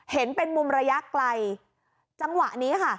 เห็นเป็นมุมระยะไกลจังหวะนี้ค่ะ